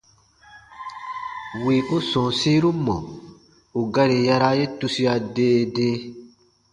Wì u sɔ̃ɔsiru mɔ̀ ù gari yaraa ye tusia dee dee.